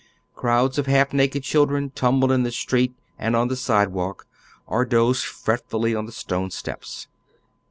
Crowds of half naked children tumble in the street and on the sidewalk, or doze fretfully on the stone steps.